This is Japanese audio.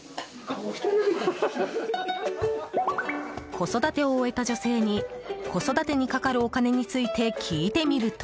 子育てを終えた女性に子育てにかかるお金について聞いてみると。